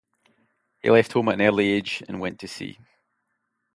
He left home at an early age and went to sea.